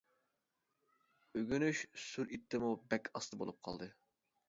ئۆگىنىش سۈرئىتىممۇ بەك ئاستا بولۇپ قالدى.